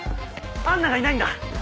アンナがいないんだ！